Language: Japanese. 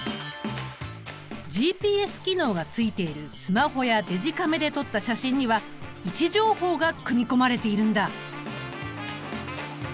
ＧＰＳ機能がついているスマホやデジカメで撮った写真には位置情報が組み込まれているんだ。